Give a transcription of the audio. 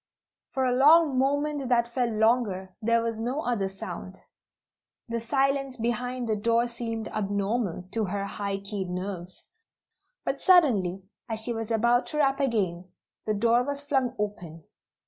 For a long moment that felt longer there was no other sound. The silence behind the door seemed abnormal to her high keyed nerves. But suddenly, as she was about to rap again, the door was flung open.